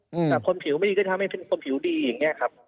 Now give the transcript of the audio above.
แต่คนผิวไม่ดีก็ทำให้เป็นคนผิวดีอย่างเงี้ยครับ